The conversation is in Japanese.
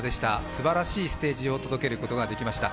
すばらしいステージを届けることができました。